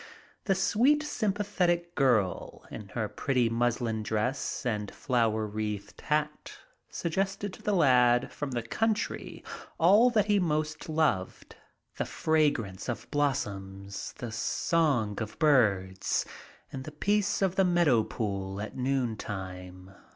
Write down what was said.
The sweet, sympathetic girl, in her pretty muslin dress and flower wreathed hat, suggested to the lad from the country all that he most loved, the fragrance of blossoms, the song of birds, and the peace of the meadow pool at noon time.